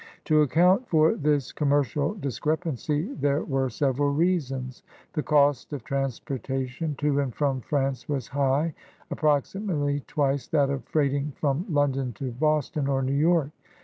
To account for this commercial discrepancy there were several reasons. The cost of transportation to and from France was high — approximately twice that of freighting from London to Boston or New York.